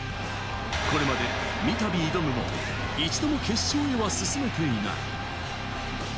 これまで三度挑むも一度も決勝へは進めていない。